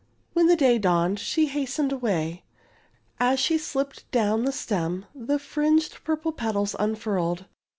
When the day dawned she hastened away. As she slipped down the stem the fringed pur ple petals unfurled.